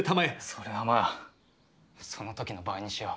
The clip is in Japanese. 「それはまあその時の場合にしよう」。